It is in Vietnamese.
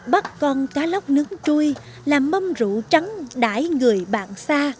bắt con cá lóc nướng chui làm mâm rượu trắng đải người bạn